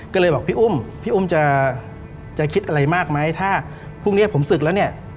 ก็เลยบอกพี่อุ้มพี่อุ้มจะคิดอะไรมากไหมถ้าพรุ่งนี้ผมศึกแล้วเนี่ย